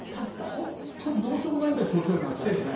本当にどうしようもないぐらい調子が悪くなっちゃったね。